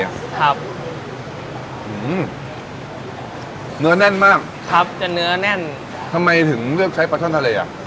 ครับอืมเนื้อแน่นมากครับจะเนื้อแน่นทำไมถึงเลือกใช้ปลาช่อนทะเลอ่ะ